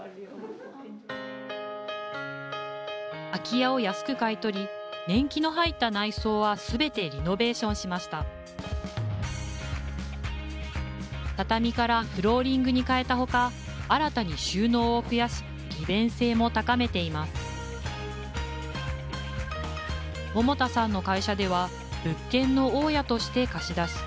空き家を安く買い取り年季の入った内装は全てリノベーションしました畳からフローリングに変えたほか新たに収納を増やし利便性も高めています桃田さんの会社では物件の大家として貸し出し